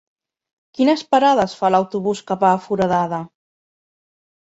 Quines parades fa l'autobús que va a Foradada?